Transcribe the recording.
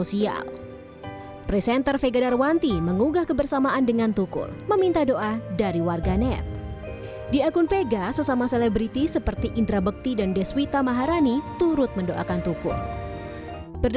kita juga sudah mulai sadar diri untuk mulai memeriksakan diri ke dokter